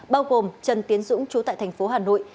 bao gồm trần tiến dũng chú tại thành phố hà nội